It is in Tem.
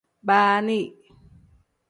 Baani.